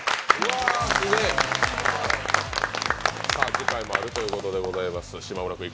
次回もあるということでございます。